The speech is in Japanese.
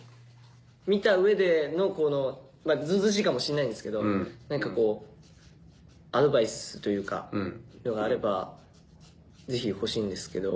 見た上でのずうずうしいかもしんないんですけど何かこうアドバイスというかあればぜひ欲しいんですけど。